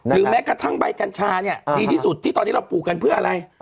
แม้กระทั่งใบกัญชาเนี่ยดีที่สุดที่ตอนนี้เราปลูกกันเพื่ออะไร